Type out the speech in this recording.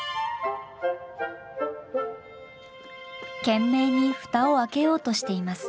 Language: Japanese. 懸命に蓋を開けようとしています。